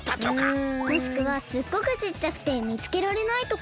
うん。もしくはすっごくちっちゃくてみつけられないとか。